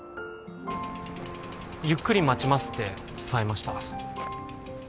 ゆっくり待ちますって伝えました